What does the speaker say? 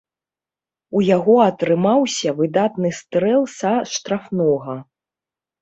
У яго атрымаўся выдатны стрэл са штрафнога.